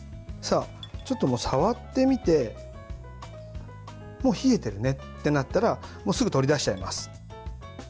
ちょっと触ってみてもう冷えてるねってなったらすぐ取り出しちゃいます。